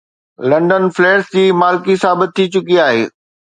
London flats جي مالڪي ثابت ٿي چڪي آهي.